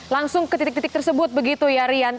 langsung ke titik titik tersebut begitu ya rian